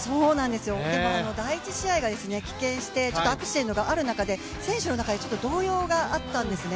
でも、第１試合が棄権してアクシデントがある中で選手の中で動揺があったんですね。